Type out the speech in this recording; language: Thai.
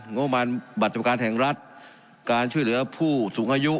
งบมารบัตรแห่งรัฐการช่วยเหลือผู้สูงอายุ